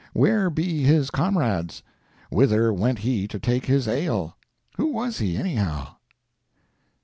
Where be his comrades? Whither went he to take his ale? Who was he, anyhow?